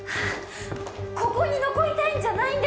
ここに残りたいんじゃないんですか？